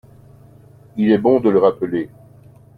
Il est bon de le rappeler